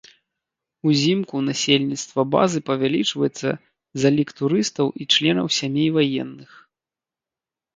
Узімку насельніцтва базы павялічваецца за лік турыстаў і членаў сямей ваенных.